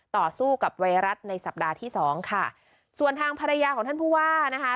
ต่อสู้กับไวรัสในสัปดาห์ที่สองค่ะส่วนทางภรรยาของท่านผู้ว่านะคะ